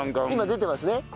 今出てますね。